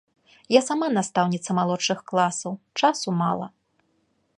Я сама настаўніца малодшых класаў, часу мала.